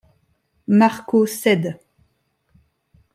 Marco cède.